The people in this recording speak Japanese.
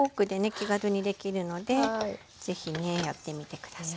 気軽にできるので是非ねやってみて下さい。